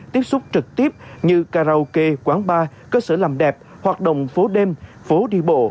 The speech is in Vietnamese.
trực tiếp như karaoke quán bar cơ sở làm đẹp hoạt động phố đêm phố đi bộ